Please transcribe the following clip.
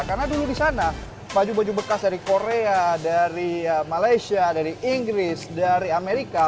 karena dulu disana baju baju bekas dari korea dari malaysia dari inggris dari amerika